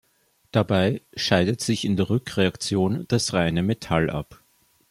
Dabei scheidet sich in der Rückreaktion das reine Metall ab.